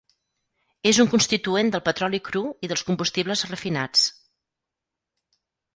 És un constituent del petroli cru i dels combustibles refinats.